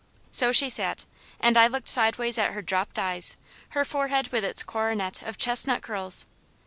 So she sat, and I looked sideways at her dropped eyes her forehead with its coronet of chestnut curls.